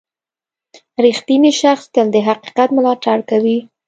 • رښتینی شخص تل د حقیقت ملاتړ کوي.